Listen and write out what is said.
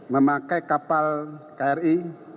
memakai kapal kri